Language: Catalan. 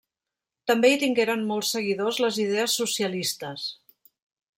També hi tingueren molts seguidors les idees socialistes.